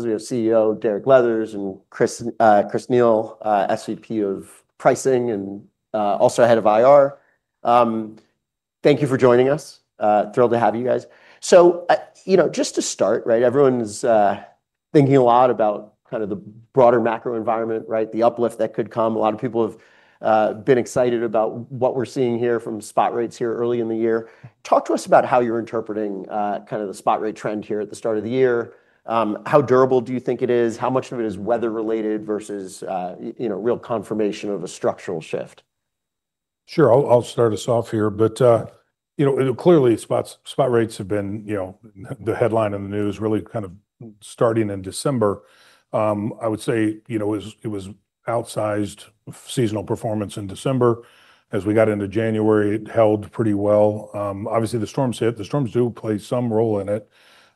As we have CEO Derek Leathers and Chris Neal, SVP of Pricing and also head of IR. Thank you for joining us. Thrilled to have you guys. So, you know, just to start, right, everyone's thinking a lot about kind of the broader macro environment, right? The uplift that could come. A lot of people have been excited about what we're seeing here from spot rates here early in the year. Talk to us about how you're interpreting kind of the spot rate trend here at the start of the year. How durable do you think it is? How much of it is weather related versus, you know, real confirmation of a structural shift? Sure. I'll start us off here. But, you know, clearly, spot rates have been, you know, the headline in the news, really kind of starting in December. I would say, you know, it was outsized seasonal performance in December. As we got into January, it held pretty well. Obviously, the storms hit. The storms do play some role in it.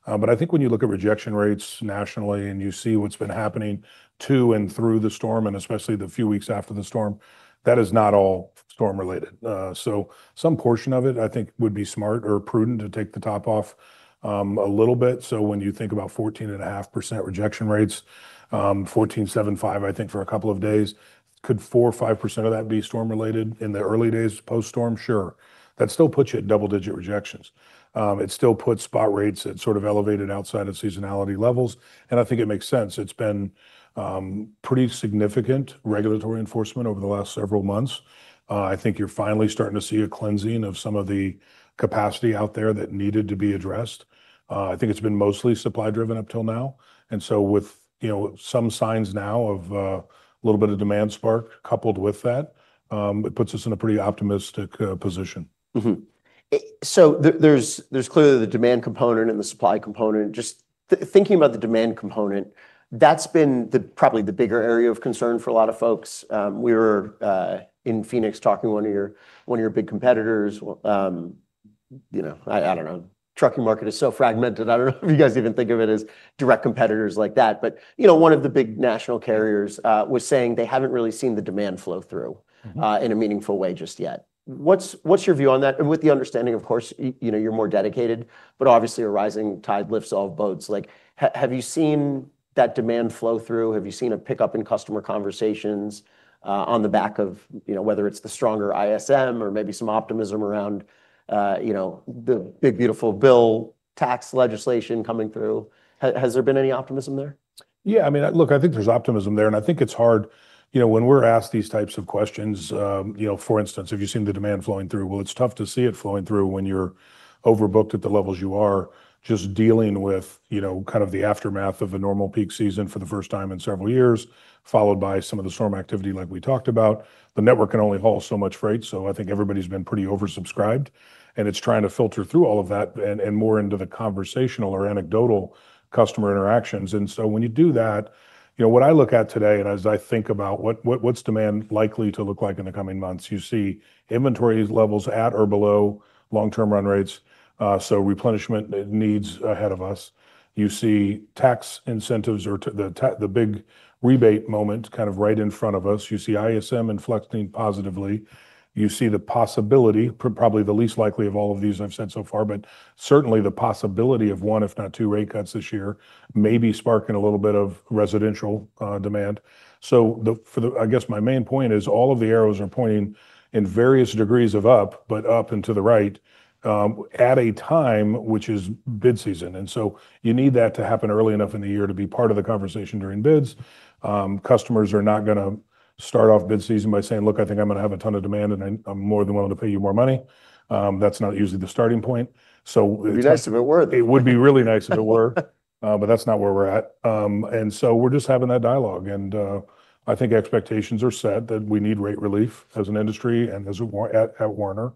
But I think when you look at rejection rates nationally, and you see what's been happening to and through the storm, and especially the few weeks after the storm, that is not all storm related. So some portion of it, I think, would be smart or prudent to take the top off, a little bit. So when you think about 14.5% rejection rates, 14.75, I think for a couple of days, could 4 or 5% of that be storm related in the early days post-storm? Sure. That still puts you at double-digit rejections. It still puts spot rates at sort of elevated outside of seasonality levels, and I think it makes sense. It's been pretty significant regulatory enforcement over the last several months. I think you're finally starting to see a cleansing of some of the capacity out there that needed to be addressed. I think it's been mostly supply driven up till now, and so with, you know, some signs now of a little bit of demand spark coupled with that, it puts us in a pretty optimistic position. So there, there's clearly the demand component and the supply component. Just thinking about the demand component, that's been the probably the bigger area of concern for a lot of folks. We were in Phoenix talking to one of your big competitors. You know, I don't know, trucking market is so fragmented. I don't know if you guys even think of it as direct competitors like that. But, you know, one of the big national carriers was saying they haven't really seen the demand flow through- Mm-hmm... in a meaningful way just yet. What's your view on that? And with the understanding, of course, you know, you're more dedicated, but obviously, a rising tide lifts all boats. Like, have you seen that demand flow through? Have you seen a pickup in customer conversations on the back of, you know, whether it's the stronger ISM or maybe some optimism around, you know, the big beautiful bill, tax legislation coming through? Has there been any optimism there? Yeah, I mean, look, I think there's optimism there, and I think it's hard... You know, when we're asked these types of questions, you know, for instance, have you seen the demand flowing through? Well, it's tough to see it flowing through when you're overbooked at the levels you are, just dealing with, you know, kind of the aftermath of a normal peak season for the first time in several years, followed by some of the storm activity like we talked about. The network can only haul so much freight, so I think everybody's been pretty oversubscribed, and it's trying to filter through all of that and, and more into the conversational or anecdotal customer interactions. And so when you do that, you know, what I look at today, and as I think about what's demand likely to look like in the coming months, you see inventory levels at or below long-term run rates, so replenishment needs ahead of us. You see tax incentives or the big rebate moment kind of right in front of us. You see ISM inflecting positively. You see the possibility, probably the least likely of all of these I've said so far, but certainly the possibility of one, if not two, rate cuts this year, maybe sparking a little bit of residential demand. So, I guess my main point is all of the arrows are pointing in various degrees of up, but up and to the right, at a time, which is bid season. So you need that to happen early enough in the year to be part of the conversation during bids. Customers are not gonna start off bid season by saying: Look, I think I'm gonna have a ton of demand, and I'm more than willing to pay you more money. That's not usually the starting point. So- It'd be nice if it were. It would be really nice if it were, but that's not where we're at. And so we're just having that dialogue, and I think expectations are set that we need rate relief as an industry and at Werner.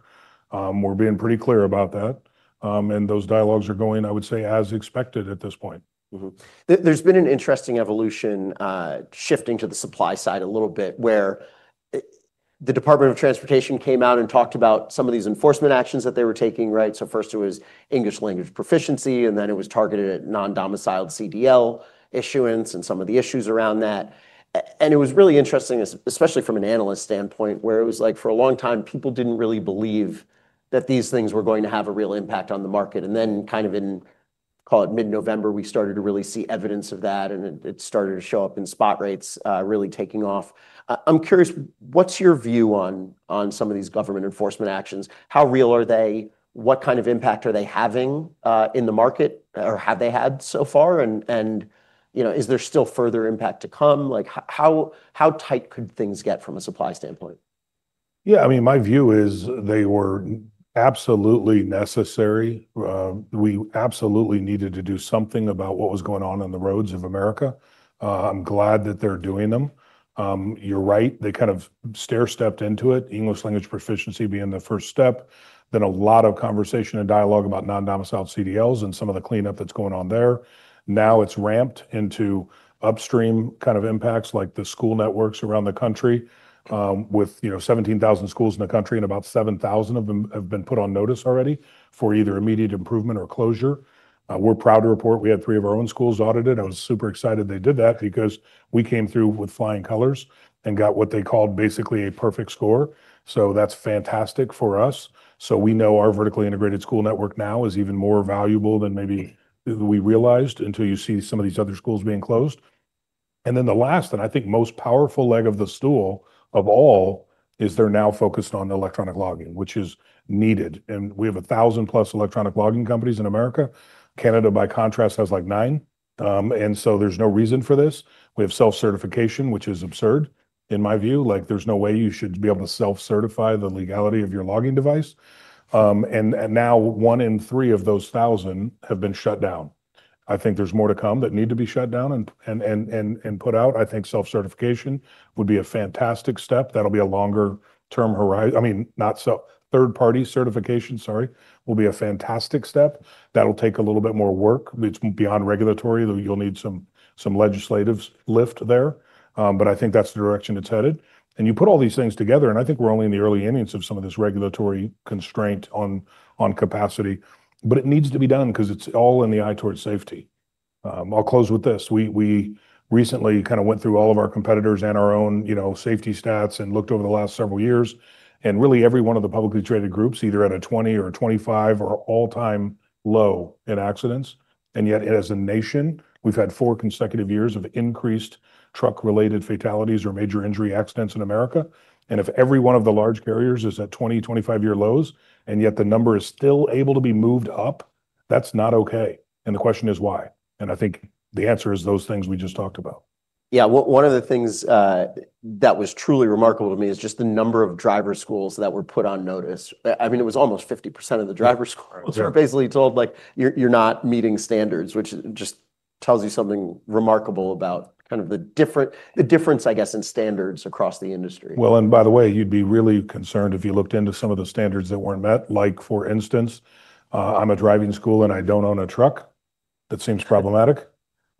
We're being pretty clear about that, and those dialogues are going, I would say, as expected at this point. Mm-hmm. There's been an interesting evolution, shifting to the supply side a little bit, where the Department of Transportation came out and talked about some of these enforcement actions that they were taking, right? So first it was English language proficiency, and then it was targeted at non-domiciled CDL issuance and some of the issues around that. And it was really interesting, especially from an analyst standpoint, where it was like for a long time, people didn't really believe that these things were going to have a real impact on the market. And then, kind of in, call it mid-November, we started to really see evidence of that, and it started to show up in spot rates, really taking off. I'm curious, what's your view on some of these government enforcement actions? How real are they? What kind of impact are they having in the market or have they had so far? And, you know, is there still further impact to come? Like, how tight could things get from a supply standpoint? Yeah, I mean, my view is they were absolutely necessary. We absolutely needed to do something about what was going on in the roads of America. I'm glad that they're doing them. You're right, they kind of stair-stepped into it, English Language Proficiency being the first step, then a lot of conversation and dialogue about non-domiciled CDLs and some of the cleanup that's going on there. Now, it's ramped into upstream kind of impacts, like the school networks around the country, with, you know, 17,000 schools in the country, and about 7,000 of them have been put on notice already for either immediate improvement or closure. We're proud to report we had three of our own schools audited. I was super excited they did that because we came through with flying colors and got what they called basically a perfect score. So that's fantastic for us. So we know our vertically integrated school network now is even more valuable than maybe we realized, until you see some of these other schools being closed. And then the last, and I think most powerful leg of the stool of all, is they're now focused on electronic logging, which is needed. And we have 1,000 plus electronic logging companies in America. Canada, by contrast, has, like, nine. And so there's no reason for this. We have self-certification, which is absurd, in my view. Like, there's no way you should be able to self-certify the legality of your logging device. And now one in three of those 1,000 have been shut down. I think there's more to come that need to be shut down and put out. I think self-certification would be a fantastic step. That'll be a longer-term horizon. I mean, third-party certification, sorry, will be a fantastic step. That'll take a little bit more work. It's beyond regulatory, though you'll need some legislative lift there. But I think that's the direction it's headed. And you put all these things together, and I think we're only in the early innings of some of this regulatory constraint on capacity, but it needs to be done 'cause it's all in the eye towards safety. I'll close with this: we recently kind of went through all of our competitors and our own, you know, safety stats and looked over the last several years, and really, every one of the publicly traded groups, either at a 20- or 25-year all-time low in accidents, and yet as a nation, we've had 4 consecutive years of increased truck-related fatalities or major injury accidents in America. And if every one of the large carriers is at 20-, 25-year lows, and yet the number is still able to be moved up, that's not okay. And the question is, why? And I think the answer is those things we just talked about. Yeah, one of the things that was truly remarkable to me is just the number of driver schools that were put on notice. I mean, it was almost 50% of the driver schools- Yeah. were basically told, like, "You're, you're not meeting standards," which just tells you something remarkable about kind of the different - the difference, I guess, in standards across the industry. Well, and by the way, you'd be really concerned if you looked into some of the standards that weren't met. Like, for instance, I'm a driving school, and I don't own a truck. That seems problematic.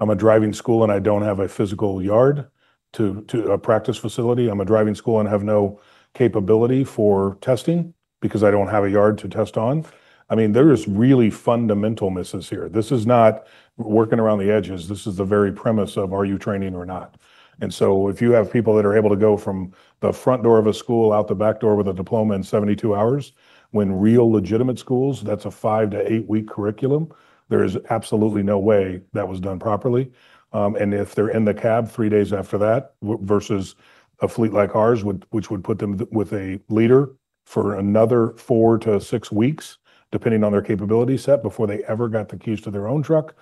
I'm a driving school, and I don't have a physical yard to a practice facility. I'm a driving school and have no capability for testing because I don't have a yard to test on. I mean, there is really fundamental misses here. This is not working around the edges. This is the very premise of, "Are you training or not?" And so if you have people that are able to go from the front door of a school out the back door with a diploma in 72 hours, when real, legitimate schools, that's a 5- to 8-week curriculum, there is absolutely no way that was done properly. And if they're in the cab 3 days after that, versus a fleet like ours, which would put them with a leader for another 4-6 weeks, depending on their capability set, before they ever got the keys to their own truck,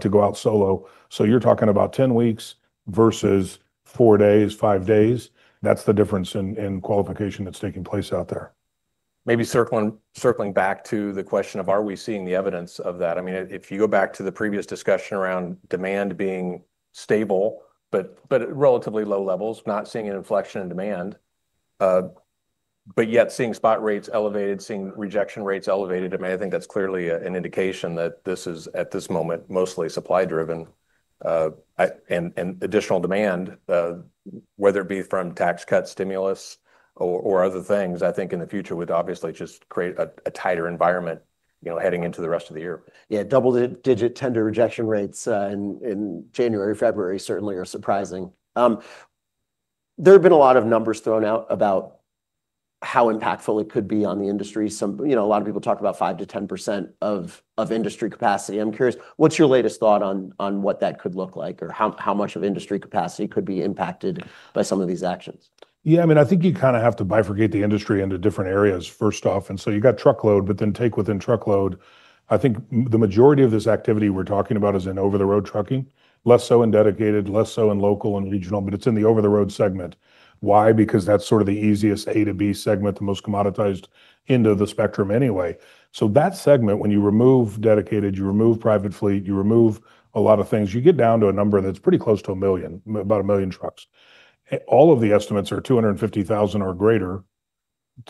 to go out solo. So you're talking about 10 weeks versus 4 days, 5 days. That's the difference in, in qualification that's taking place out there. Maybe circling back to the question of are we seeing the evidence of that? I mean, if you go back to the previous discussion around demand being stable, but at relatively low levels, not seeing an inflection in demand, but yet seeing spot rates elevated, seeing rejection rates elevated, I mean, I think that's clearly an indication that this is, at this moment, mostly supply driven. And additional demand, whether it be from tax cut stimulus or other things, I think in the future would obviously just create a tighter environment, you know, heading into the rest of the year. Yeah, double-digit tender rejection rates in January, February certainly are surprising. There have been a lot of numbers thrown out about how impactful it could be on the industry. You know, a lot of people talk about 5%-10% of industry capacity. I'm curious, what's your latest thought on what that could look like or how much of industry capacity could be impacted by some of these actions? Yeah, I mean, I think you kind of have to bifurcate the industry into different areas first off, and so you got truckload, but then take within truckload. I think the majority of this activity we're talking about is in over-the-road trucking, less so in dedicated, less so in local and regional, but it's in the over-the-road segment. Why? Because that's sort of the easiest A to B segment, the most commoditized end of the spectrum anyway. So that segment, when you remove dedicated, you remove private fleet, you remove a lot of things, you get down to a number that's pretty close to 1 million, about 1 million trucks. All of the estimates are 250,000 or greater,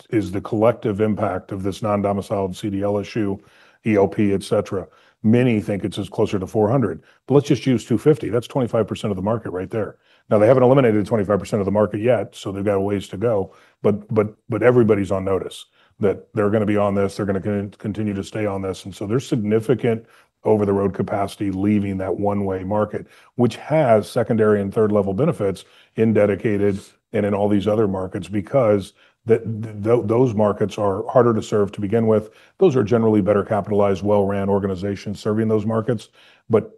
is the collective impact of this non-domiciled CDL issue, ELP, et cetera. Many think it's as closer to 400, but let's just use 250. That's 25% of the market right there. Now, they haven't eliminated 25% of the market yet, so they've got a ways to go, but everybody's on notice that they're gonna be on this, they're gonna continue to stay on this, and so there's significant over-the-road capacity leaving that one-way market, which has secondary and third-level benefits in dedicated and in all these other markets, because those markets are harder to serve to begin with. Those are generally better capitalized, well-ran organizations serving those markets. But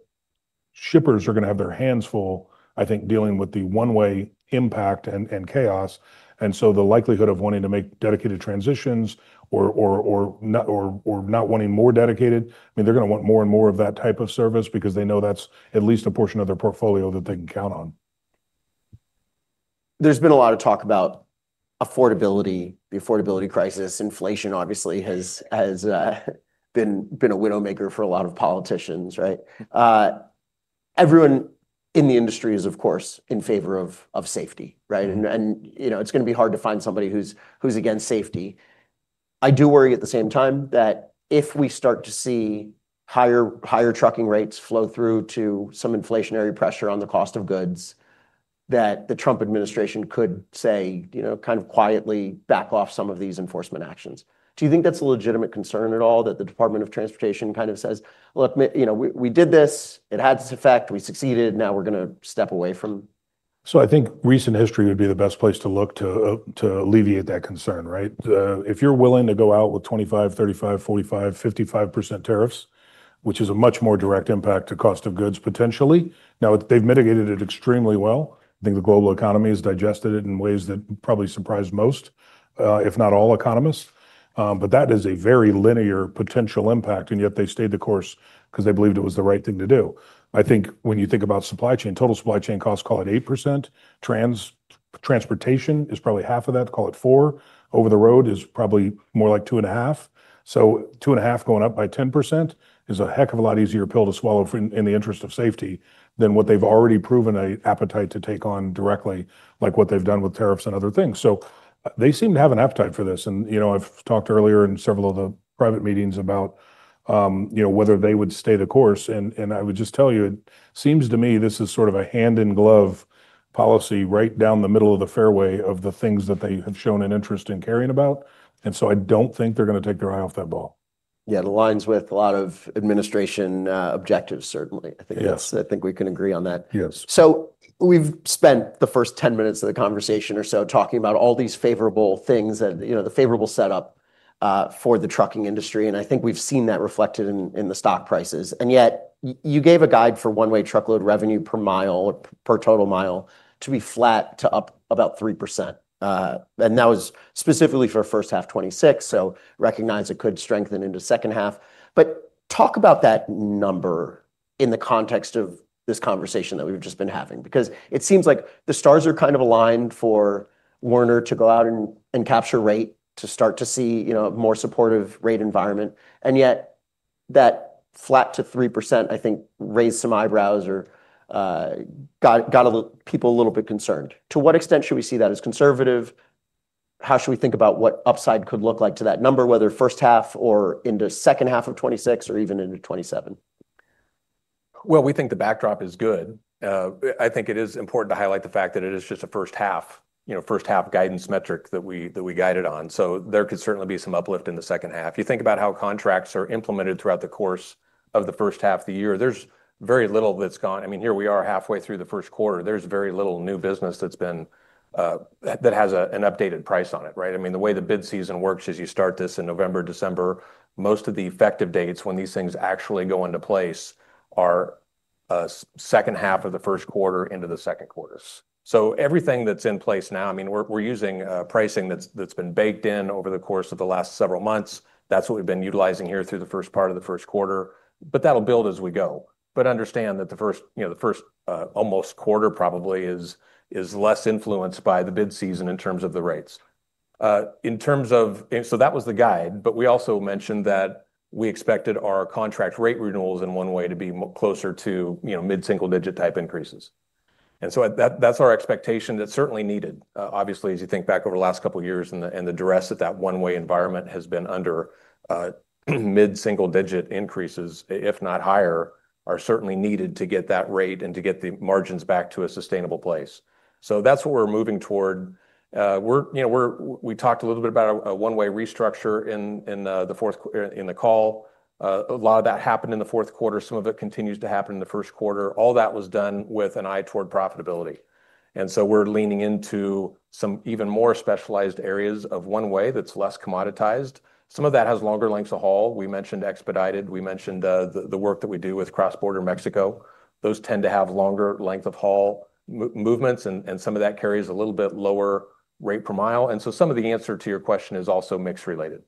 shippers are gonna have their hands full, I think, dealing with the one-way impact and chaos, and so the likelihood of wanting to make dedicated transitions or not wanting more dedicated... I mean, they're gonna want more and more of that type of service because they know that's at least a portion of their portfolio that they can count on. There's been a lot of talk about affordability, the affordability crisis. Inflation obviously has been a widow-maker for a lot of politicians, right? Everyone in the industry is, of course, in favor of safety, right? Mm. And you know, it's gonna be hard to find somebody who's against safety. I do worry at the same time that if we start to see higher trucking rates flow through to some inflationary pressure on the cost of goods, that the Trump administration could say, you know, kind of quietly back off some of these enforcement actions. Do you think that's a legitimate concern at all, that the Department of Transportation kind of says, "Look, you know, we did this, it had this effect, we succeeded, now we're gonna step away from this?... So I think recent history would be the best place to look to, to alleviate that concern, right? If you're willing to go out with 25%, 35%, 45%, 55% tariffs, which is a much more direct impact to cost of goods, potentially. Now, they've mitigated it extremely well. I think the global economy has digested it in ways that probably surprised most, if not all economists. But that is a very linear potential impact, and yet they stayed the course 'cause they believed it was the right thing to do. I think when you think about supply chain, total supply chain costs, call it 8%. Transportation is probably half of that, call it 4%. Over-the-road is probably more like 2.5%. So 2.5 going up by 10% is a heck of a lot easier pill to swallow in the interest of safety than what they've already proven an appetite to take on directly, like what they've done with tariffs and other things. So they seem to have an appetite for this. And, you know, I've talked earlier in several of the private meetings about, you know, whether they would stay the course. And I would just tell you, it seems to me this is sort of a hand-in-glove policy, right down the middle of the fairway of the things that they have shown an interest in caring about, and so I don't think they're gonna take their eye off that ball. Yeah, it aligns with a lot of administration objectives, certainly. Yes. I think, I think we can agree on that. Yes. So we've spent the first 10 minutes of the conversation or so talking about all these favorable things that, you know, the favorable setup, for the trucking industry, and I think we've seen that reflected in, in the stock prices. And yet you gave a guide for one-way truckload revenue per mile, per total mile, to be flat to up about 3%. And that was specifically for first half 2026, so recognize it could strengthen into second half. But talk about that number in the context of this conversation that we've just been having, because it seems like the stars are kind of aligned for Werner to go out and, and capture rate, to start to see, you know, a more supportive rate environment. Yet that flat to 3%, I think, raised some eyebrows or got people a little bit concerned. To what extent should we see that as conservative? How should we think about what upside could look like to that number, whether first half or into second half of 2026 or even into 2027? Well, we think the backdrop is good. I think it is important to highlight the fact that it is just a first half, you know, first-half guidance metric that we guided on, so there could certainly be some uplift in the second half. You think about how contracts are implemented throughout the course of the first half of the year, there's very little that's gone. I mean, here we are, halfway through the first quarter, there's very little new business that's been that has an updated price on it, right? I mean, the way the bid season works is you start this in November, December. Most of the effective dates when these things actually go into place are second half of the first quarter into the second quarters. So everything that's in place now, I mean, we're using pricing that's been baked in over the course of the last several months. That's what we've been utilizing here through the first part of the first quarter, but that'll build as we go. But understand that the first, you know, the first almost quarter probably is less influenced by the bid season in terms of the rates. In terms of... So that was the guide, but we also mentioned that we expected our contract rate renewals in one-way to be closer to, you know, mid-single-digit type increases. And so that's our expectation. That's certainly needed. Obviously, as you think back over the last couple of years and the duress that that one-way environment has been under, mid-single-digit increases, if not higher, are certainly needed to get that rate and to get the margins back to a sustainable place. So that's what we're moving toward. We're, you know, we're. We talked a little bit about a one-way restructure in the fourth quarter in the call. A lot of that happened in the fourth quarter. Some of it continues to happen in the first quarter. All that was done with an eye toward profitability, and so we're leaning into some even more specialized areas of one-way that's less commoditized. Some of that has longer lengths of haul. We mentioned expedited, we mentioned the work that we do with cross-border Mexico. Those tend to have longer length of haul movements, and some of that carries a little bit lower rate per mile. And so some of the answer to your question is also mix-related.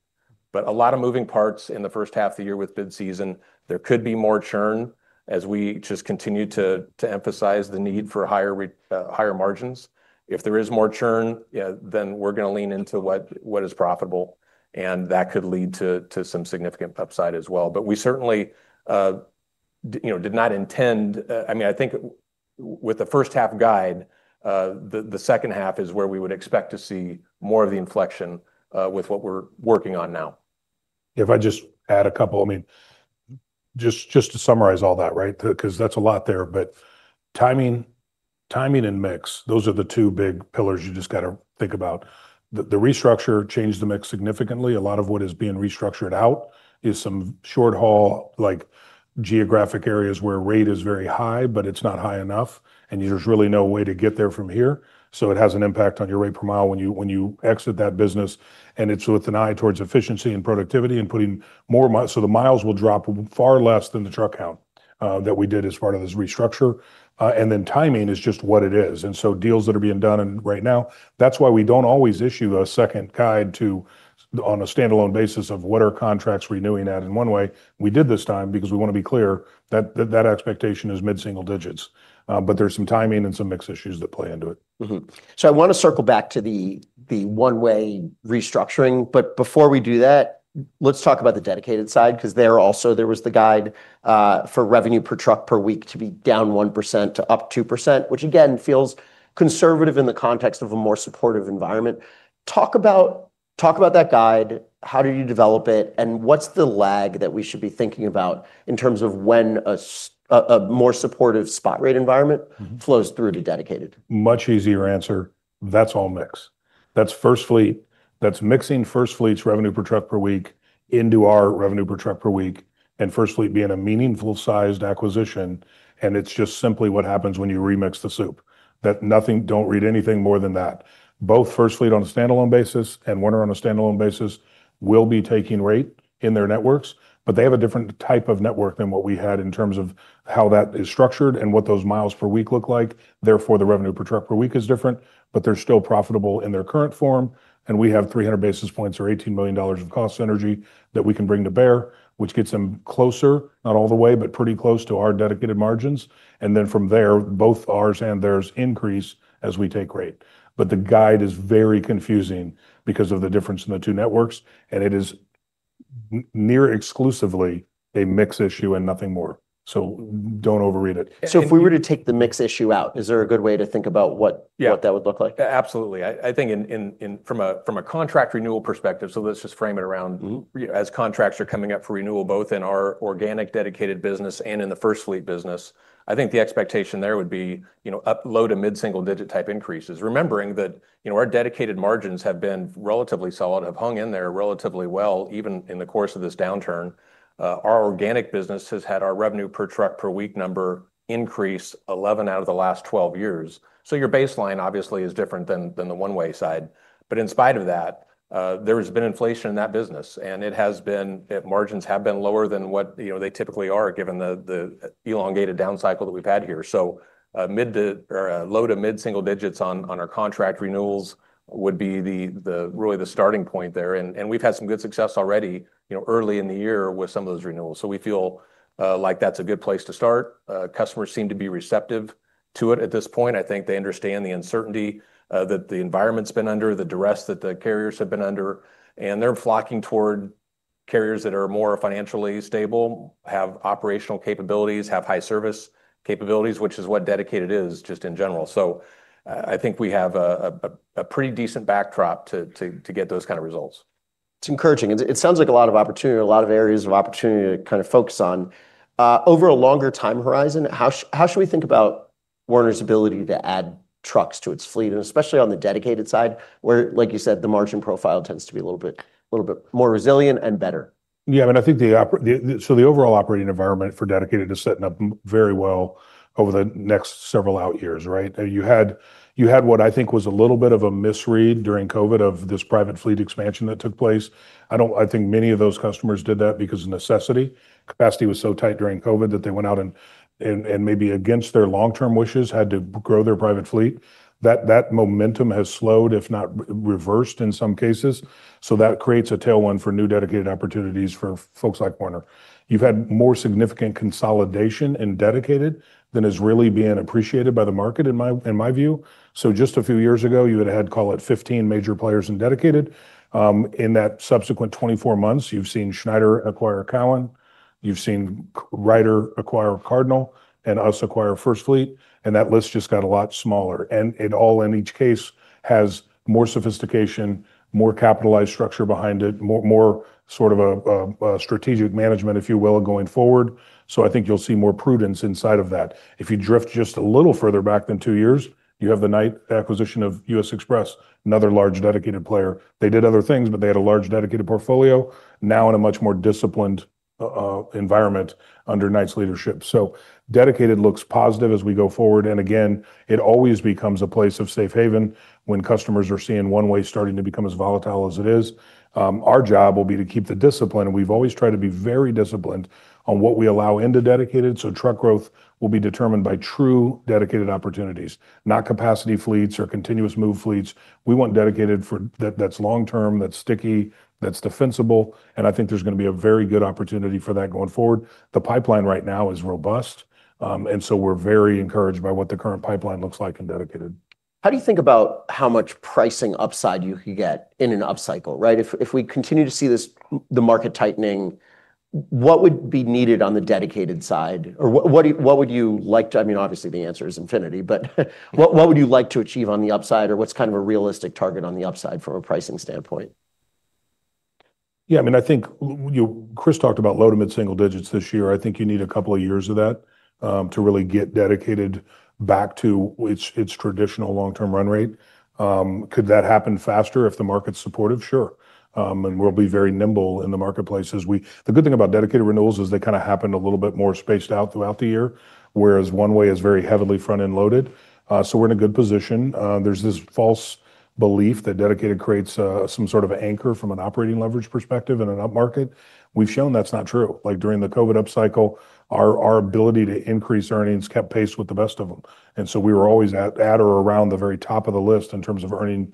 But a lot of moving parts in the first half of the year with bid season, there could be more churn as we just continue to emphasize the need for higher margins. If there is more churn, then we're gonna lean into what is profitable, and that could lead to some significant upside as well. But we certainly, you know, did not intend. I mean, I think with the first half guide, the second half is where we would expect to see more of the inflection with what we're working on now. If I just add a couple, I mean, just to summarize all that, right? 'Cause that's a lot there, but timing and mix, those are the two big pillars you just got to think about. The restructure changed the mix significantly. A lot of what is being restructured out is some short haul, like geographic areas, where rate is very high, but it's not high enough, and there's really no way to get there from here. So it has an impact on your rate per mile when you exit that business, and it's with an eye towards efficiency and productivity and putting more miles. So the miles will drop far less than the truck count that we did as part of this restructure. And then timing is just what it is. And so deals that are being done and right now, that's why we don't always issue a second guide to, on a standalone basis of what are contracts renewing at. In one way, we did this time because we want to be clear that, that expectation is mid-single digits, but there's some timing and some mix issues that play into it. Mm-hmm. So I want to circle back to the one-way restructuring, but before we do that, let's talk about the dedicated side, because there was the guide for revenue per truck per week to be down 1% to up 2%, which again feels conservative in the context of a more supportive environment. Talk about that guide, how did you develop it, and what's the lag that we should be thinking about in terms of when a more supportive spot rate environment- Mm-hmm... flows through to dedicated? Much easier answer. That's all mix. That's FirstFleet. That's mixing FirstFleet's revenue per truck per week into our revenue per truck per week, and FirstFleet being a meaningful sized acquisition, and it's just simply what happens when you remix the soup. That nothing. Don't read anything more than that. Both FirstFleet on a standalone basis and Werner on a standalone basis will be taking rate in their networks, but they have a different type of network than what we had in terms of how that is structured and what those miles per week look like. Therefore, the revenue per truck per week is different, but they're still profitable in their current form, and we have 300 basis points or $18 million of cost synergy that we can bring to bear, which gets them closer, not all the way, but pretty close to our dedicated margins. And then from there, both ours and theirs increase as we take rate. But the guide is very confusing because of the difference in the two networks, and it is near exclusively a mix issue and nothing more. So don't overread it. So if we were to take the mix issue out, is there a good way to think about what? Yeah. What that would look like? Absolutely. I think in... From a contract renewal perspective, so let's just frame it around- Mm-hmm. As contracts are coming up for renewal, both in our organic dedicated business and in the FirstFleet business, I think the expectation there would be, you know, up low to mid-single digit type increases. Remembering that, you know, our dedicated margins have been relatively solid, have hung in there relatively well, even in the course of this downturn. Our organic business has had our revenue per truck per week number increase 11 out of the last 12 years. So your baseline, obviously, is different than the one-way side. But in spite of that, there has been inflation in that business, and it has been, margins have been lower than what, you know, they typically are, given the elongated down cycle that we've had here. So, low to mid-single digits on our contract renewals would be really the starting point there. And we've had some good success already, you know, early in the year with some of those renewals. So we feel like that's a good place to start. Customers seem to be receptive to it at this point. I think they understand the uncertainty that the environment's been under, the duress that the carriers have been under, and they're flocking toward carriers that are more financially stable, have operational capabilities, have high service capabilities, which is what dedicated is, just in general. So, I think we have a pretty decent backdrop to get those kind of results. It's encouraging. It, it sounds like a lot of opportunity, a lot of areas of opportunity to kind of focus on. Over a longer time horizon, how should we think about Werner's ability to add trucks to its fleet, and especially on the dedicated side, where, like you said, the margin profile tends to be a little bit, little bit more resilient and better? Yeah, and I think the overall operating environment for dedicated is setting up very well over the next several out years, right? Now, you had, you had what I think was a little bit of a misread during COVID of this private fleet expansion that took place. I don't think many of those customers did that because of necessity. Capacity was so tight during COVID that they went out and maybe against their long-term wishes, had to grow their private fleet. That momentum has slowed, if not reversed, in some cases. So that creates a tailwind for new dedicated opportunities for folks like Werner. You've had more significant consolidation in dedicated than is really being appreciated by the market, in my view. So just a few years ago, you would've had, call it, 15 major players in dedicated. In that subsequent 24 months, you've seen Schneider acquire Cowan, you've seen Ryder acquire Cardinal, and us acquire FirstFleet, and that list just got a lot smaller. It all, in each case, has more sophistication, more capitalized structure behind it, more, more sort of a, a strategic management, if you will, going forward. So I think you'll see more prudence inside of that. If you drift just a little further back than two years, you have the Knight acquisition of U.S. Xpress, another large dedicated player. They did other things, but they had a large dedicated portfolio, now in a much more disciplined environment under Knight's leadership. So dedicated looks positive as we go forward, and again, it always becomes a place of safe haven when customers are seeing one way starting to become as volatile as it is. Our job will be to keep the discipline, and we've always tried to be very disciplined on what we allow into dedicated. So truck growth will be determined by true dedicated opportunities, not capacity fleets or continuous move fleets. We want dedicated for that, that's long-term, that's sticky, that's defensible, and I think there's gonna be a very good opportunity for that going forward. The pipeline right now is robust, and so we're very encouraged by what the current pipeline looks like in dedicated. How do you think about how much pricing upside you could get in an upcycle, right? If we continue to see this, the market tightening, what would be needed on the dedicated side? Or what would you like to... I mean, obviously, the answer is infinity, but what would you like to achieve on the upside, or what's kind of a realistic target on the upside from a pricing standpoint? Yeah, I mean, I think Chris talked about low to mid-single digits this year. I think you need a couple of years of that to really get dedicated back to its traditional long-term run rate. Could that happen faster if the market's supportive? Sure. And we'll be very nimble in the marketplace. The good thing about dedicated renewals is they kind of happen a little bit more spaced out throughout the year, whereas one way is very heavily front-end loaded. So we're in a good position. There's this false belief that dedicated creates some sort of an anchor from an operating leverage perspective in an upmarket. We've shown that's not true. Like, during the COVID upcycle, our ability to increase earnings kept pace with the best of them, and so we were always at or around the very top of the list in terms of earning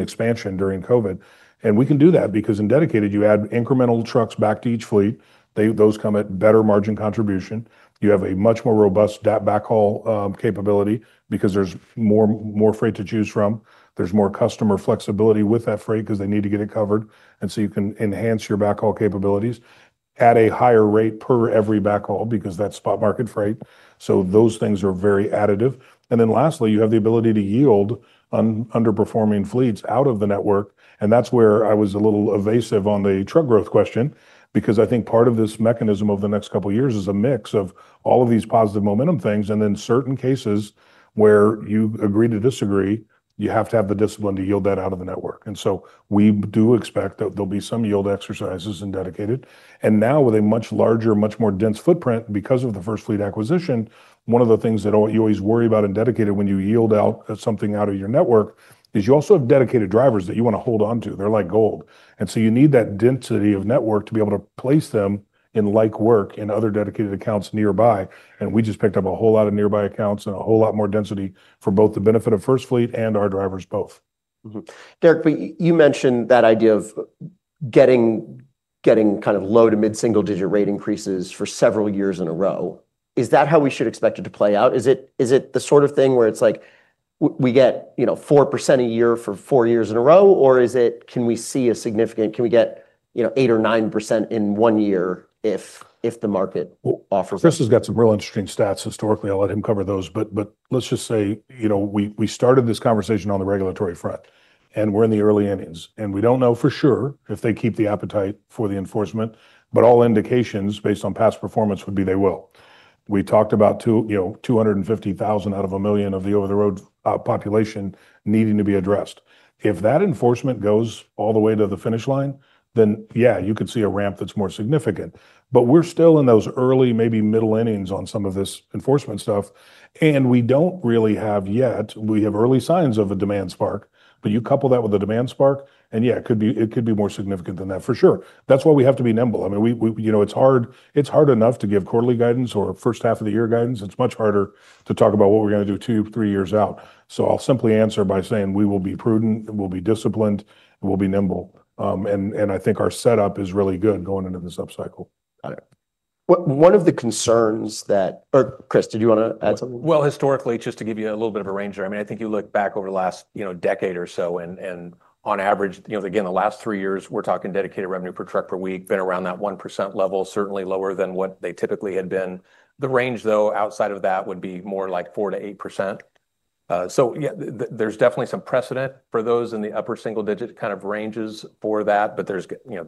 expansion during COVID. And we can do that because in dedicated, you add incremental trucks back to each fleet. Those come at better margin contribution. You have a much more robust dedicated backhaul capability because there's more freight to choose from. There's more customer flexibility with that freight because they need to get it covered, and so you can enhance your backhaul capabilities at a higher rate per every backhaul, because that's spot market freight. So those things are very additive. And then lastly, you have the ability to yield underperforming fleets out of the network, and that's where I was a little evasive on the truck growth question, because I think part of this mechanism over the next couple of years is a mix of all of these positive momentum things, and then certain cases where you agree to disagree. You have to have the discipline to yield that out of the network. And so we do expect that there'll be some yield exercises in dedicated. And now with a much larger, much more dense footprint, because of the FirstFleet acquisition, one of the things that you always worry about in dedicated when you yield out something out of your network, is you also have dedicated drivers that you want to hold on to. They're like gold. And so you need that density of network to be able to place them in, like, work in other dedicated accounts nearby. We just picked up a whole lot of nearby accounts and a whole lot more density for both the benefit of FirstFleet and our drivers both. Mm-hmm. Derek, you mentioned that idea of getting kind of low to mid single digit rate increases for several years in a row. Is that how we should expect it to play out? Is it, is it the sort of thing where it's like we get, you know, 4% a year for four years in a row? Or is it, can we get, you know, 8% or 9% in one year if, if the market offers? Well, Chris has got some real interesting stats historically. I'll let him cover those. But let's just say, you know, we started this conversation on the regulatory front, and we're in the early innings, and we don't know for sure if they keep the appetite for the enforcement, but all indications, based on past performance, would be they will. We talked about 250,000, you know, out of 1 million of the over-the-road population needing to be addressed. If that enforcement goes all the way to the finish line, then, yeah, you could see a ramp that's more significant. But we're still in those early, maybe middle innings on some of this enforcement stuff, and we don't really have yet. We have early signs of a demand spark, but you couple that with a demand spark, and, yeah, it could be, it could be more significant than that, for sure. That's why we have to be nimble. I mean, we-- you know, it's hard enough to give quarterly guidance or first half of the year guidance. It's much harder to talk about what we're gonna do two, three years out. So I'll simply answer by saying we will be prudent, we'll be disciplined, and we'll be nimble. And I think our setup is really good going into this upcycle. Got it. One of the concerns that... Or, Chris, did you want to add something? Well, historically, just to give you a little bit of a range, I mean, I think you look back over the last, you know, decade or so, and on average, you know, again, the last three years, we're talking dedicated revenue per truck per week been around that 1% level, certainly lower than what they typically had been. The range, though, outside of that, would be more like 4%-8%. So, yeah, there's definitely some precedent for those in the upper single digit kind of ranges for that, but you know,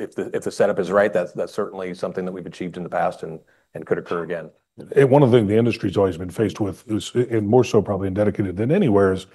if the setup is right, that's certainly something that we've achieved in the past and could occur again. One of the things the industry has always been faced with is, and more so probably in dedicated than anywhere, is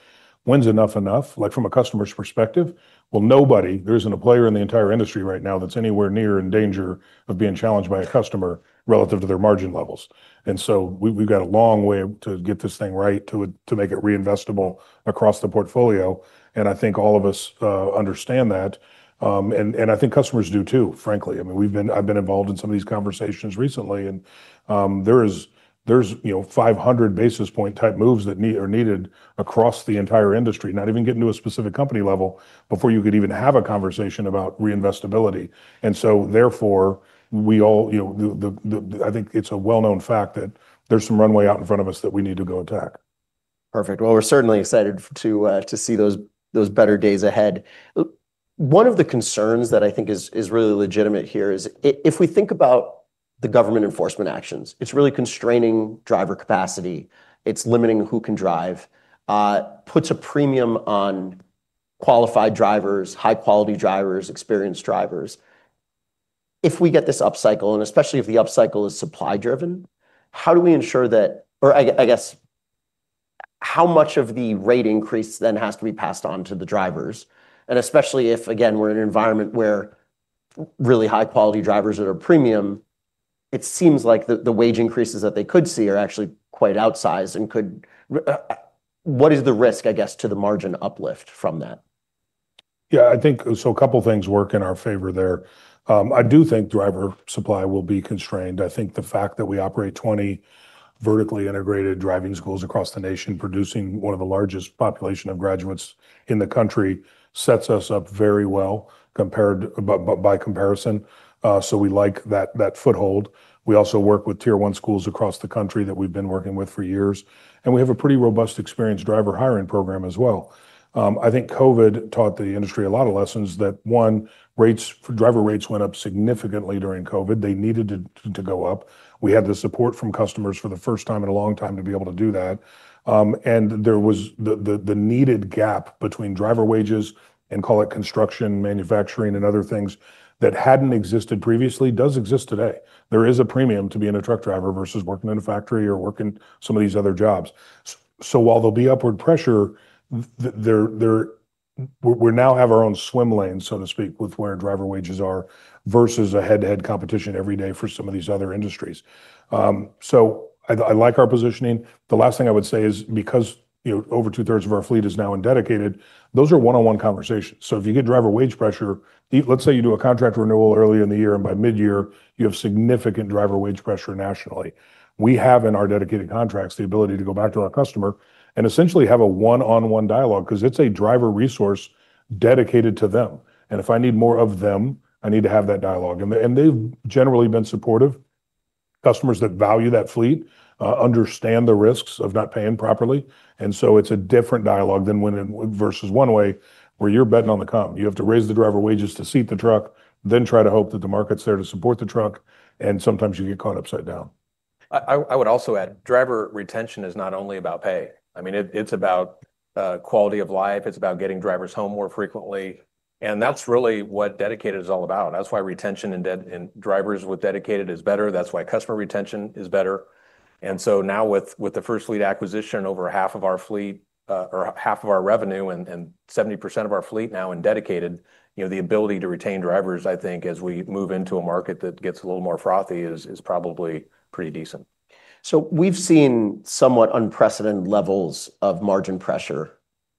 when's enough enough, like, from a customer's perspective? Well, nobody, there isn't a player in the entire industry right now that's anywhere near in danger of being challenged by a customer relative to their margin levels. And so we, we've got a long way to get this thing right, to, to make it reinvestable across the portfolio, and I think all of us understand that. And I think customers do too, frankly. I mean, we've been. I've been involved in some of these conversations recently, and there is, there's, you know, 500 basis point type moves that are needed across the entire industry, not even getting to a specific company level, before you could even have a conversation about reinvestibility. So, therefore, we all, you know, I think it's a well-known fact that there's some runway out in front of us that we need to go attack. Perfect. Well, we're certainly excited to see those better days ahead. One of the concerns that I think is really legitimate here is if we think about the government enforcement actions, it's really constraining driver capacity, it's limiting who can drive, puts a premium on qualified drivers, high-quality drivers, experienced drivers. If we get this upcycle, and especially if the upcycle is supply driven, how do we ensure that... Or I guess, how much of the rate increase then has to be passed on to the drivers? And especially if, again, we're in an environment where really high-quality drivers are a premium, it seems like the wage increases that they could see are actually quite outsized and could, what is the risk, I guess, to the margin uplift from that? Yeah, I think so. A couple of things work in our favor there. I do think driver supply will be constrained. I think the fact that we operate 20 vertically integrated driving schools across the nation, producing one of the largest population of graduates in the country, sets us up very well compared by comparison. So we like that foothold. We also work with Tier One schools across the country that we've been working with for years, and we have a pretty robust experienced driver hiring program as well. I think COVID taught the industry a lot of lessons. That one, rates, driver rates went up significantly during COVID. They needed to go up. We had the support from customers for the first time in a long time to be able to do that. And there was the needed gap between driver wages and, call it, construction, manufacturing, and other things that hadn't existed previously, does exist today. There is a premium to being a truck driver versus working in a factory or working some of these other jobs. So while there'll be upward pressure, there we now have our own swim lane, so to speak, with where driver wages are versus a head-to-head competition every day for some of these other industries. So I like our positioning. The last thing I would say is, because, you know, over two-thirds of our fleet is now in dedicated, those are one-on-one conversations. So if you get driver wage pressure, let's say you do a contract renewal early in the year, and by mid-year, you have significant driver wage pressure nationally. We have in our dedicated contracts the ability to go back to our customer and essentially have a one-on-one dialogue, 'cause it's a driver resource dedicated to them, and if I need more of them, I need to have that dialogue. And they've generally been supportive. Customers that value that fleet understand the risks of not paying properly, and so it's a different dialogue than versus one way, where you're betting on the come. You have to raise the driver wages to seat the truck, then try to hope that the market's there to support the truck, and sometimes you get caught upside down. I would also add, driver retention is not only about pay. I mean, it's about quality of life, it's about getting drivers home more frequently, and that's really what dedicated is all about. That's why retention in drivers with dedicated is better, that's why customer retention is better. And so now with the FirstFleet acquisition, over half of our fleet, or half of our revenue and 70% of our fleet now in dedicated, you know, the ability to retain drivers, I think, as we move into a market that gets a little more frothy, is probably pretty decent. So we've seen somewhat unprecedented levels of margin pressure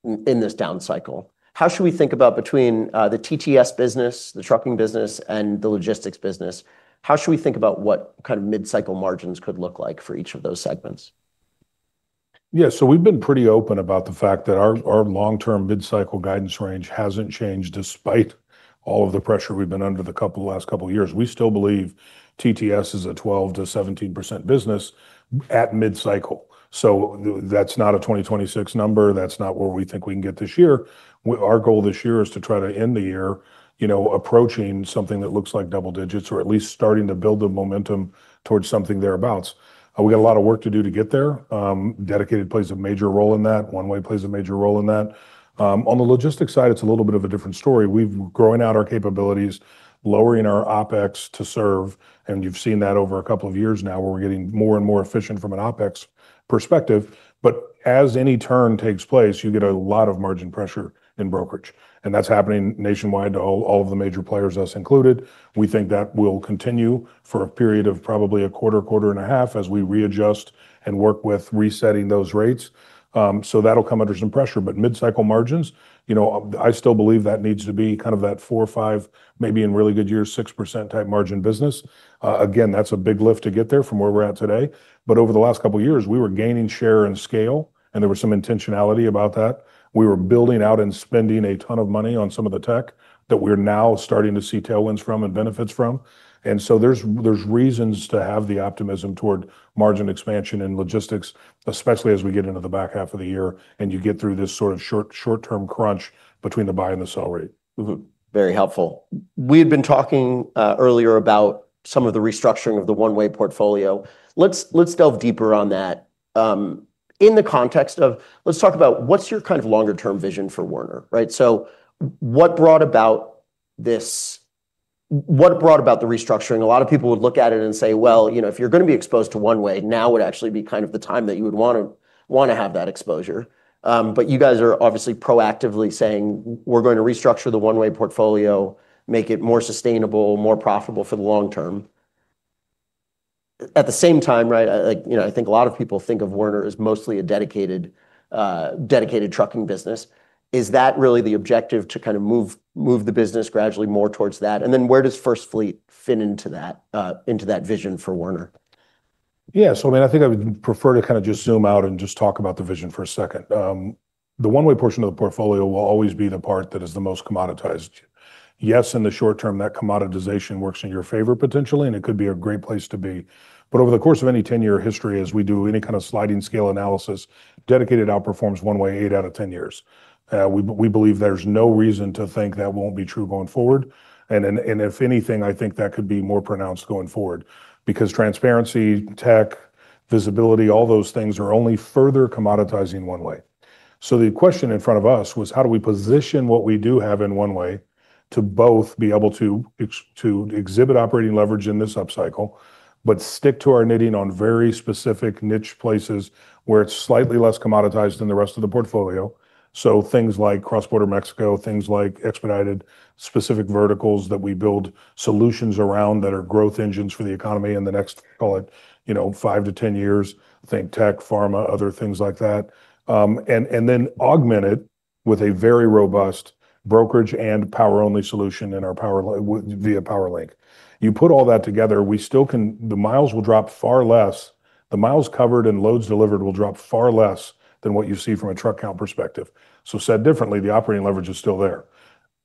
in this down cycle. How should we think about between the TTS business, the trucking business, and the logistics business? How should we think about what kind of mid-cycle margins could look like for each of those segments?... Yeah, so we've been pretty open about the fact that our long-term mid-cycle guidance range hasn't changed, despite all of the pressure we've been under the last couple years. We still believe TTS is a 12%-17% business at mid-cycle. So that's not a 2026 number. That's not where we think we can get this year. Our goal this year is to try to end the year, you know, approaching something that looks like double digits or at least starting to build the momentum towards something thereabouts. We got a lot of work to do to get there. Dedicated plays a major role in that. One-Way plays a major role in that. On the logistics side, it's a little bit of a different story. We're growing out our capabilities, lowering our OpEx to serve, and you've seen that over a couple of years now, where we're getting more and more efficient from an OpEx perspective. But as any turn takes place, you get a lot of margin pressure in brokerage, and that's happening nationwide to all, all of the major players, us included. We think that will continue for a period of probably a quarter, quarter and a half, as we readjust and work with resetting those rates. So that'll come under some pressure. But mid-cycle margins, you know, I still believe that needs to be kind of that 4, 5, maybe in really good years, 6% type margin business. Again, that's a big lift to get there from where we're at today, but over the last couple of years, we were gaining share and scale, and there was some intentionality about that. We were building out and spending a ton of money on some of the tech that we're now starting to see tailwinds from and benefits from. And so there's reasons to have the optimism toward margin expansion and logistics, especially as we get into the back half of the year, and you get through this sort of short-term crunch between the buy and the sell rate. Mm-hmm. Very helpful. We had been talking earlier about some of the restructuring of the One Way portfolio. Let's delve deeper on that. In the context of, let's talk about what's your kind of longer term vision for Werner, right? So what brought about this... what brought about the restructuring? A lot of people would look at it and say, "Well, you know, if you're gonna be exposed to One Way, now would actually be kind of the time that you would wanna have that exposure. " But you guys are obviously proactively saying, "We're going to restructure the One Way portfolio, make it more sustainable, more profitable for the long term." At the same time, right, like, you know, I think a lot of people think of Werner as mostly a dedicated, dedicated trucking business. Is that really the objective, to kind of move, move the business gradually more towards that? And then, where does FirstFleet fit into that, into that vision for Werner? Yeah. So, I mean, I think I would prefer to kind of just zoom out and just talk about the vision for a second. The One Way portion of the portfolio will always be the part that is the most commoditized. Yes, in the short term, that commoditization works in your favor, potentially, and it could be a great place to be. But over the course of any 10-year history, as we do any kind of sliding scale analysis, dedicated outperforms One Way 8 out of 10 years. We believe there's no reason to think that won't be true going forward. And then, and if anything, I think that could be more pronounced going forward because transparency, tech, visibility, all those things are only further commoditizing One Way. So the question in front of us was: how do we position what we do have in One Way to both be able to exhibit operating leverage in this upcycle, but stick to our knitting on very specific niche places where it's slightly less commoditized than the rest of the portfolio? So things like cross-border Mexico, things like expedited, specific verticals that we build solutions around that are growth engines for the economy in the next, call it, you know, five to 10 years. Think tech, pharma, other things like that. And then augment it with a very robust brokerage and power-only solution in our PowerLink. You put all that together, we still can the miles will drop far less. The miles covered and loads delivered will drop far less than what you see from a truck count perspective. So said differently, the operating leverage is still there.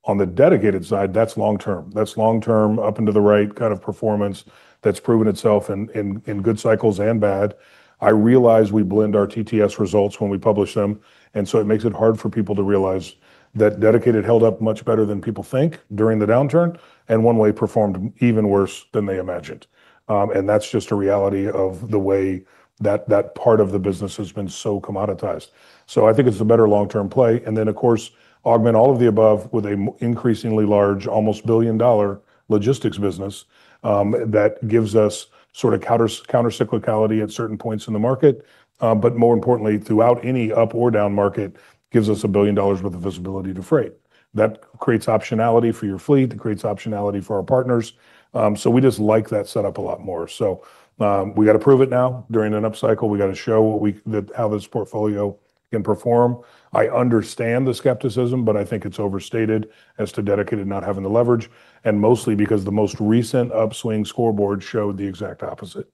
On the dedicated side, that's long term. That's long term, up and to the right kind of performance that's proven itself in good cycles and bad. I realize we blend our TTS results when we publish them, and so it makes it hard for people to realize that dedicated held up much better than people think during the downturn, and One Way performed even worse than they imagined. And that's just a reality of the way that that part of the business has been so commoditized. So I think it's a better long-term play, and then, of course, augment all of the above with an increasingly large, almost $1 billion-dollar logistics business, that gives us sort of countercyclicality at certain points in the market. But more importantly, throughout any up or down market, gives us $1 billion worth of visibility to freight. That creates optionality for your fleet, it creates optionality for our partners. So we just like that setup a lot more. So, we gotta prove it now. During an upcycle, we gotta show what we-- that how this portfolio can perform. I understand the skepticism, but I think it's overstated as to dedicated not having the leverage, and mostly because the most recent upswing scoreboard showed the exact opposite.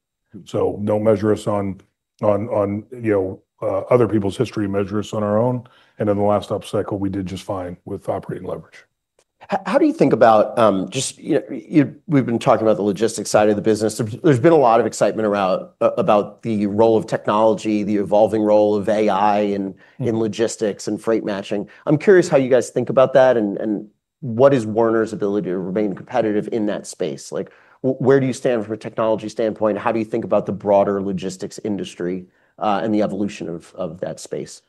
So don't measure us on, on, on, you know, other people's history. Measure us on our own, and in the last upcycle, we did just fine with operating leverage. How do you think about, just, you know, we've been talking about the logistics side of the business. There's been a lot of excitement around about the role of technology, the evolving role of AI in- Mm... in logistics and freight matching. I'm curious how you guys think about that, and what is Werner's ability to remain competitive in that space? Like, where do you stand from a technology standpoint, and how do you think about the broader logistics industry, and the evolution of that space? ...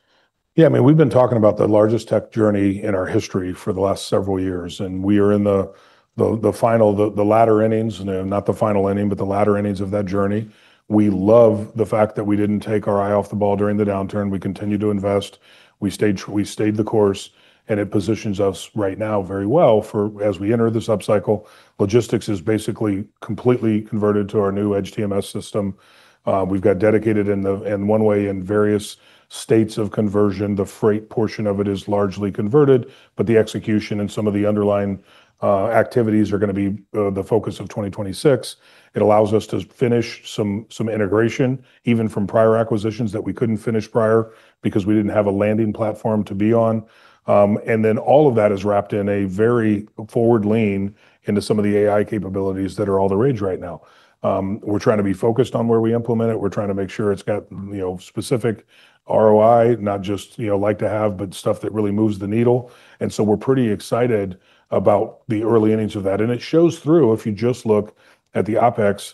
Yeah, I mean, we've been talking about the largest tech journey in our history for the last several years, and we are in the latter innings, and not the final inning, but the latter innings of that journey. We love the fact that we didn't take our eye off the ball during the downturn. We continued to invest, we stayed the course, and it positions us right now very well for as we enter this upcycle. Logistics is basically completely converted to our new Edge TMS system. We've got dedicated in one way, in various states of conversion. The freight portion of it is largely converted, but the execution and some of the underlying activities are gonna be the focus of 2026. It allows us to finish some integration, even from prior acquisitions that we couldn't finish prior because we didn't have a landing platform to be on. And then all of that is wrapped in a very forward lean into some of the AI capabilities that are all the rage right now. We're trying to be focused on where we implement it. We're trying to make sure it's got, you know, specific ROI, not just, you know, like to have, but stuff that really moves the needle. And so we're pretty excited about the early innings of that, and it shows through, if you just look at the OpEx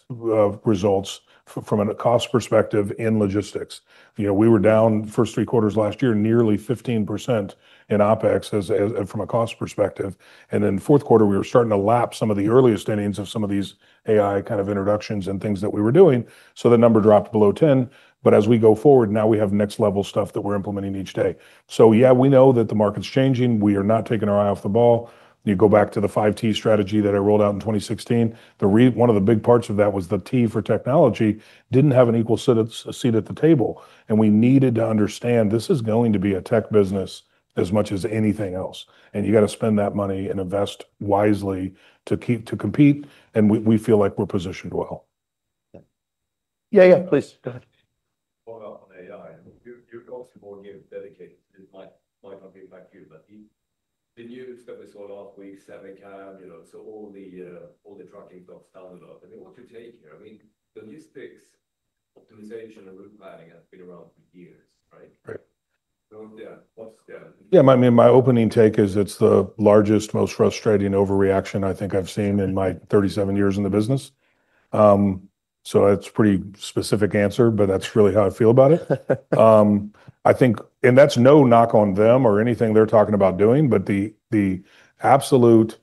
results from a cost perspective in logistics. You know, we were down first three quarters last year, nearly 15% in OpEx from a cost perspective. Then fourth quarter, we were starting to lap some of the earliest innings of some of these AI kind of introductions and things that we were doing, so the number dropped below 10. But as we go forward, now we have next-level stuff that we're implementing each day. So yeah, we know that the market's changing. We are not taking our eye off the ball. You go back to the 5 T strategy that I rolled out in 2016, the one of the big parts of that was the T for technology, didn't have an equal seat at the table, and we needed to understand this is going to be a tech business as much as anything else, and you got to spend that money and invest wisely to compete, and we feel like we're positioned well. Yeah. Yeah, yeah, please go ahead. Follow up on AI. You've got some more new dedicated. It might not be back to you, but the news that we saw last week, Cybercab, you know, so all the trucking stocks down a lot, I mean, what's your take here? I mean, the logistics optimization and route planning has been around for years, right? Right. So yeah, what's the- Yeah, I mean, my opening take is it's the largest, most frustrating overreaction I think I've seen in my 37 years in the business. So it's pretty specific answer, but that's really how I feel about it. I think-- and that's no knock on them or anything they're talking about doing, but the, the absolute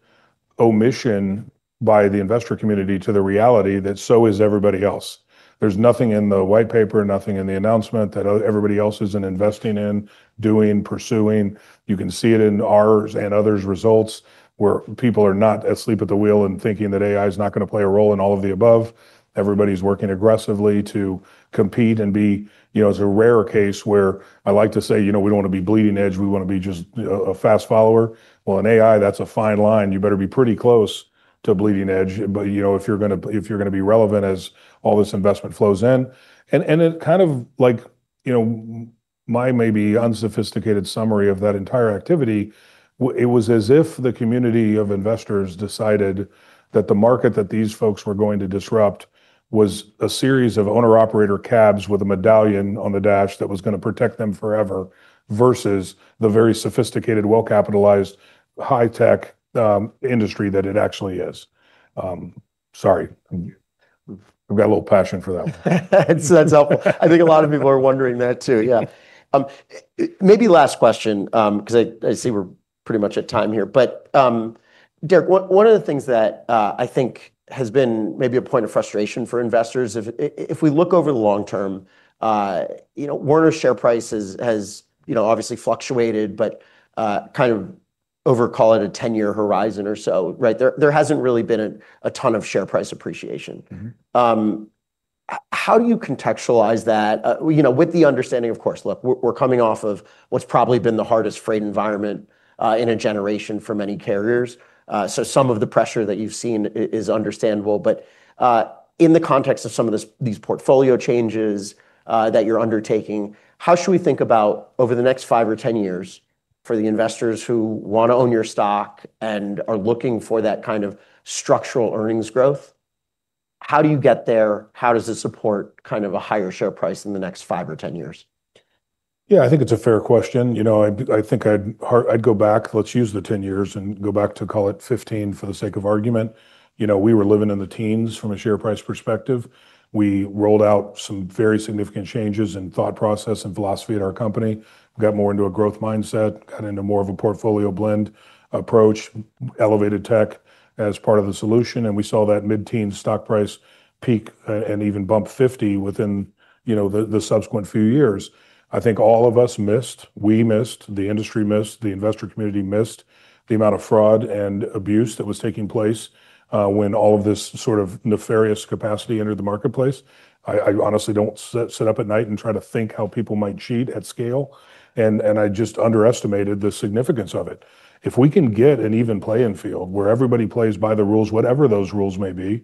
omission by the investor community to the reality that so is everybody else. There's nothing in the white paper, nothing in the announcement that, everybody else isn't investing in, doing, pursuing. You can see it in ours and others' results, where people are not asleep at the wheel and thinking that AI is not gonna play a role in all of the above. Everybody's working aggressively to compete and be-- you know, it's a rare case where I like to say: You know, we don't want to be bleeding edge. We want to be just a fast follower. Well, in AI, that's a fine line. You better be pretty close to a bleeding edge. But, you know, if you're gonna be, if you're gonna be relevant as all this investment flows in. And, and it kind of like, you know, my maybe unsophisticated summary of that entire activity, it was as if the community of investors decided that the market that these folks were going to disrupt was a series of owner-operator cabs with a medallion on the dash that was gonna protect them forever, versus the very sophisticated, well-capitalized, high-tech, industry that it actually is. I've got a lot of passion for that one. That's helpful. I think a lot of people are wondering that, too. Yeah. Maybe last question, because I see we're pretty much at time here, but, Derek, one of the things that I think has been maybe a point of frustration for investors, if we look over the long term, you know, Werner's share price has, you know, obviously fluctuated, but, kind of over, call it, a 10-year horizon or so, right? There hasn't really been a ton of share price appreciation. Mm-hmm. How do you contextualize that? You know, with the understanding, of course, look, we're coming off of what's probably been the hardest freight environment in a generation for many carriers. So some of the pressure that you've seen is understandable, but in the context of some of these, these portfolio changes that you're undertaking, how should we think about over the next 5 or 10 years for the investors who want to own your stock and are looking for that kind of structural earnings growth? How do you get there? How does it support kind of a higher share price in the next 5 or 10 years? Yeah, I think it's a fair question. You know, I think I'd go back. Let's use the 10 years and go back to, call it, 15, for the sake of argument. You know, we were living in the teens from a share price perspective. We rolled out some very significant changes in thought, process, and philosophy at our company. We got more into a growth mindset, got into more of a portfolio blend approach, elevated tech as part of the solution, and we saw that mid-teen stock price peak, and even bump 50 within, you know, the subsequent few years. I think all of us missed, we missed, the industry missed, the investor community missed the amount of fraud and abuse that was taking place, when all of this sort of nefarious capacity entered the marketplace. I honestly don't sit up at night and try to think how people might cheat at scale, and I just underestimated the significance of it. If we can get an even playing field where everybody plays by the rules, whatever those rules may be,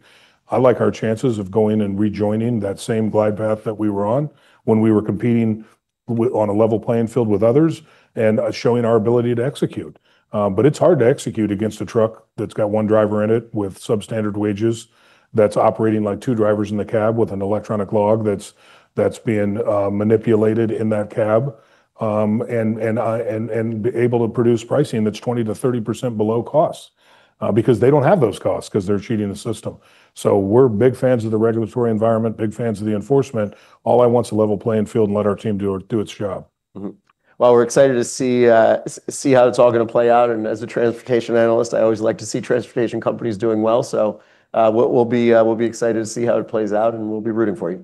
I like our chances of going and rejoining that same glide path that we were on when we were competing with on a level playing field with others and showing our ability to execute. But it's hard to execute against a truck that's got one driver in it with substandard wages, that's operating like two drivers in the cab with an electronic log, that's being manipulated in that cab, and be able to produce pricing that's 20%-30% below costs, because they don't have those costs, because they're cheating the system. We're big fans of the regulatory environment, big fans of the enforcement. All I want is a level playing field, and let our team do its job. Mm-hmm. Well, we're excited to see how it's all gonna play out, and as a transportation analyst, I always like to see transportation companies doing well. So, we'll be excited to see how it plays out, and we'll be rooting for you.